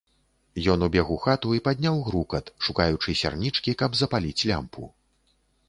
Ён убег у хату і падняў грукат, шукаючы сярнічкі, каб запаліць лямпу.